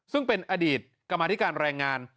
ซึ่งเป็นอดีตกลับมาที่การแรงงาน